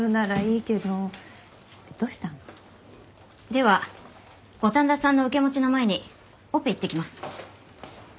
では五反田さんの受け持ちの前にオペ行ってきます。